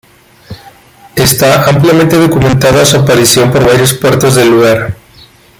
Esta ampliamente documentada su aparición por varios puertos del lugar.